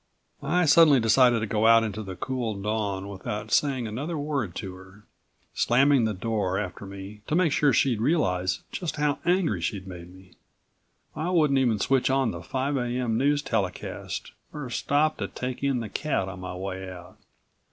I suddenly decided to go out into the cool dawn without saying another word to her, slamming the door after me to make sure she'd realize just how angry she'd made me. I wouldn't even switch on the five A.M. news telecast or stop to take in the cat on my way out.